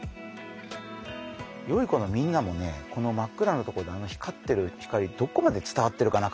よい子のみんなもねこの真っ暗なとこで光ってる光どこまで伝わってるかな？